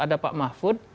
ada pak mahfud